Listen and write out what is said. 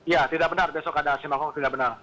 ya tidak benar besok ada aksi mogok tidak benar